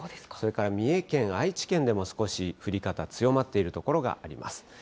それから三重県、愛知県でも少し降り方、強まっている所があります。